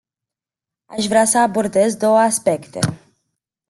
Aș vrea să abordez două aspecte.